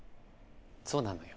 ［そうなのよ。］